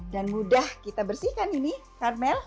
dan mudah kita bersihkan ini carmel